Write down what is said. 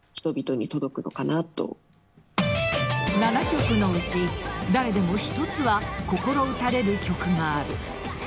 ７曲のうち、誰でも一つは心打たれる曲がある。